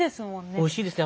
おいしいですね。